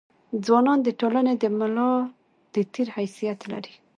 ځوانان د ټولني د ملا د تیر حيثيت لري.